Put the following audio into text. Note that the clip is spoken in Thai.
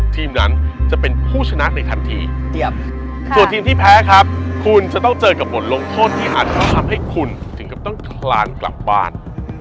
ทีมนั้นจะเป็นผู้ชนะในทันทีส่วนทีมที่แพ้ครับคุณจะต้องเจอกับบทลงโทษที่อาจต้องทำให้คุณถึงกับต้องคลานกลับบ้าน